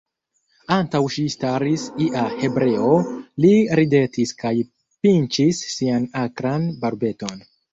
Antaŭ ŝi staris ia hebreo, li ridetis kaj pinĉis sian akran barbeton.